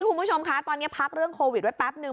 คุณผู้ชมคะตอนนี้พักเรื่องโควิดไว้แป๊บนึง